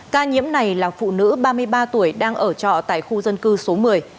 ca nhiễm này là phụ nữ ba mươi ba tuổi đang ở trọ tại khu dân cư số một mươi